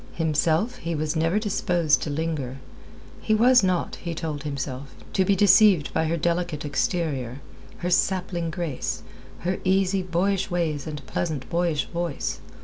Himself, he was never disposed to linger. He was not, he told himself, to be deceived by her delicate exterior, her sapling grace, her easy, boyish ways and pleasant, boyish voice.